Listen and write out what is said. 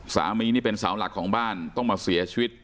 สามีนี่เป็นสาวหลักของบ้านต้องมาเสียชีวิต